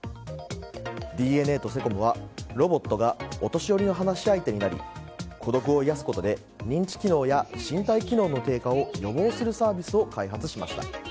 ＤＮＡとセコムは、ロボットがお年寄りの話し相手となり孤独を癒やすことで認知機能や身体機能の低下を予防するサービスを開発しました。